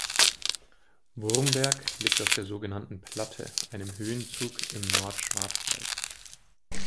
Wurmberg liegt auf der so genannten Platte, einem Höhenzug im Nordschwarzwald.